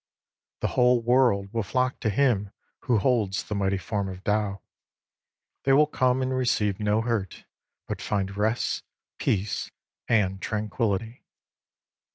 The whole world will flock to him who holds the mighty form of Tao. They will come and receive no hurt, but find rest, peace, and tranquillity.